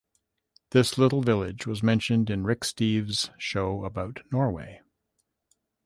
This little village was mentioned in Rick Steves' show about Norway.